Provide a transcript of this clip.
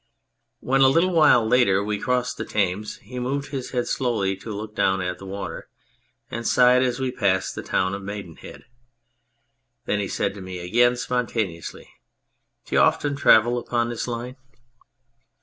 When a little while later we crossed the Thames he moved his head slowly to look down at the water, and he sighed as we passed the town of Maidenhead. Then he said to me again spontaneously, " D'you often travel upon this line